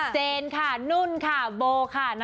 เจนค่ะนุ่นค่ะโบค่ะ